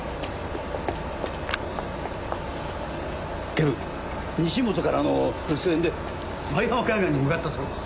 警部西本からの留守電で丸山海岸に向かったそうです。